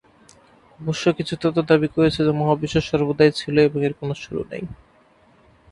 অবশ্য কিছু তত্ত্ব দাবী করেছে যে মহাবিশ্ব সর্বদাই ছিল এবং এর কোন শুরু নেই।